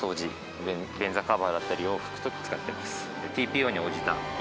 便座カバーだったりを拭く時使ってます。